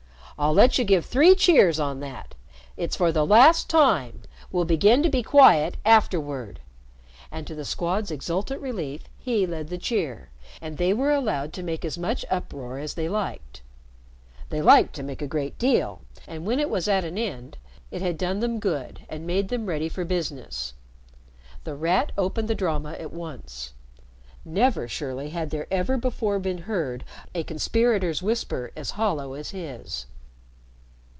"I'll let you give three cheers on that. It's for the last time. We'll begin to be quiet afterward." And to the Squad's exultant relief he led the cheer, and they were allowed to make as much uproar as they liked. They liked to make a great deal, and when it was at an end, it had done them good and made them ready for business. The Rat opened the drama at once. Never surely had there ever before been heard a conspirator's whisper as hollow as his.